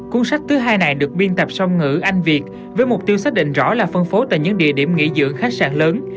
cuốn sách thứ hai này được biên tập song ngữ anh việt với mục tiêu xác định rõ là phân phố tại những địa điểm nghỉ dưỡng khách sạn lớn